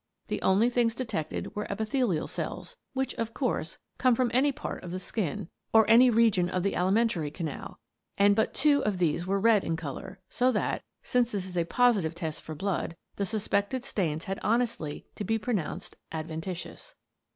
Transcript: The only things detected were epithelial cells — which, of course, come from any part of the skin, or any ^ We Hunt for Blood stains 121 region of the alimentary canal — and but two of these were red in colour, so that — since this is a positive test for blood — the suspected stains had honestly to be pronounced adventitious.